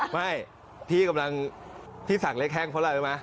ไม่พี่กำลังที่สั่งเลขแห้งเพราะอะไรรู้ไหม